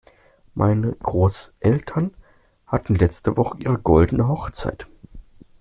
Meine Großeltern hatten letzte Woche ihre goldene Hochzeit.